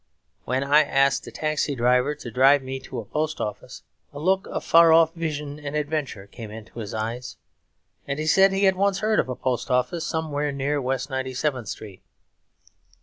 When I asked a taxi driver to drive me to a post office, a look of far off vision and adventure came into his eyes, and he said he had once heard of a post office somewhere near West Ninety Seventh Street.